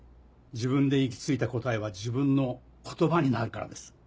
自分で行き着いた答えは自分の言葉になるからです。